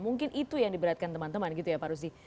mungkin itu yang diberatkan teman teman gitu ya pak ruzi